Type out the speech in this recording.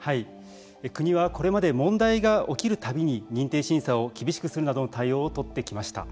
国はこれまで問題が起きるたびに認定審査を厳しくするなどの対応を取ってきました。